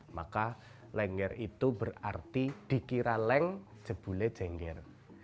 maka lengger itu berarti dikira leng jebule jengger